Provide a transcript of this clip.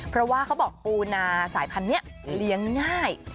เพราะว่าเขาบอกปูนาสายพันธุ์นี้เลี้ยงง่าย